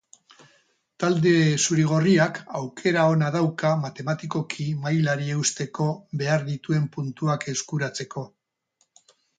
Talde zuri-gorriak aukera ona dauka matematikoki mailari eusteko behar dituen puntuak eskuratzeko.